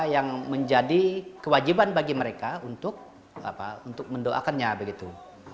yang menjadi kewajiban bagi mereka untuk mendoakannya begitu